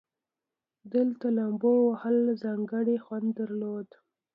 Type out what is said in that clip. دلته لومبو وهل ځانګړى خوند درلودو.